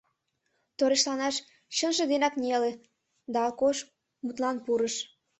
Торешланаш чынже денак неле, да Акош мутлан пурыш.